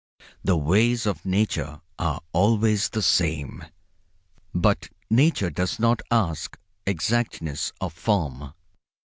"The ways of Nature are always the same, but Nature does not ask exactness of form.